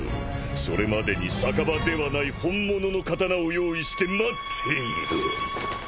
それまでに逆刃ではない本物の刀を用意して待っていろ！